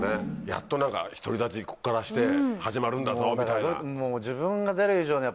やっと独り立ちこっからして始まるんだぞみたいな。